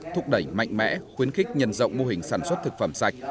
thúc đẩy mạnh mẽ khuyến khích nhân rộng mô hình sản xuất thực phẩm sạch